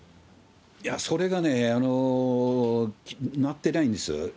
いや、それがね、なってないんです。